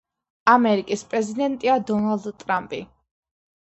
ამერიკის პრეზიდენტია დონალდ ტრამპი